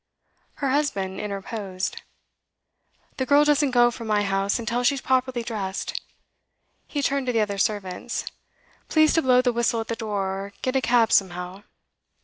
Her husband interposed. 'The girl doesn't go from my house until she's properly dressed.' He turned to the other servants. 'Please to blow the whistle at the door, or get a cab somehow.